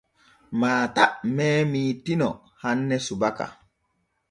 Maata meemii Tino hanne subaka.